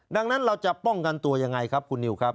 ดังนั้นเราจะป้องกันตัวยังไงครับคุณนิวครับ